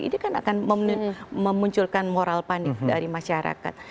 ini kan akan memunculkan moral panik dari masyarakat